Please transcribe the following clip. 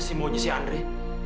apa sih maunya si andre